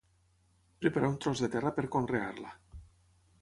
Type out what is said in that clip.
Preparar un tros de terra per conrear-la.